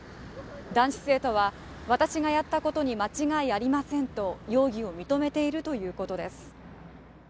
男子生徒は私がやったことに間違いありませんと容疑を認めているということです。